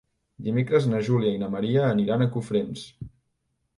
Dimecres na Júlia i na Maria aniran a Cofrents.